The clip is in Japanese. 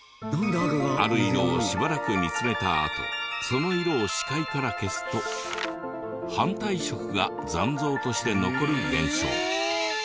ある色をしばらく見つめたあとその色を視界から消すと反対色が残像として残る現象。